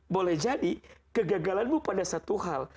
boleh jadi kegagalanmu pada satu hal